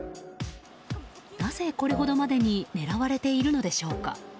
なぜ、これほどまでに狙われているのでしょうか。